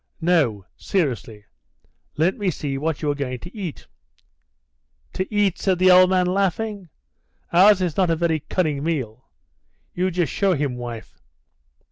"No," seriously; "let me see what you are going to eat." "To eat?" said the old man, laughing. "Ours is not a very cunning meal. You just show him, wife."